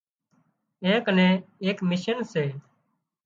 اين ڪنين ايڪ مشين سي